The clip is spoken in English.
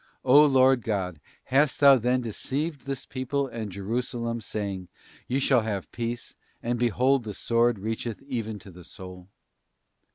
O Lord God, hast Thou then deceived this people and Jeru salem, saying, You shall have peace, and behold the sword reacheth even to the soul?